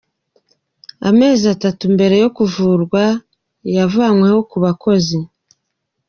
Amezi atatu mbere yo kuvuzwa yavanweho ku bakozi.